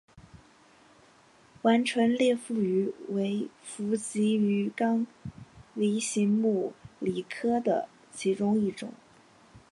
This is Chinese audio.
完唇裂腹鱼为辐鳍鱼纲鲤形目鲤科的其中一种。